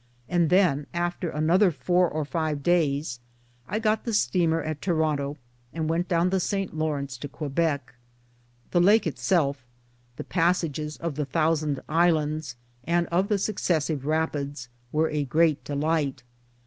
and then after another four or five days I got the steamer at Toronto, and went down the St. Lawrence to Quebec. The Lake itself, the passages of the thousand islands and of the successive rapids, were a great delight.